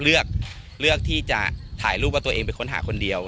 เลือกเลือกที่จะถ่ายรูปว่าตัวเองไปค้นหาคนเดียว